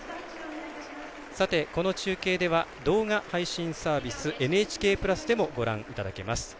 この中継では動画配信サービスＮＨＫプラスでもご覧いただけます。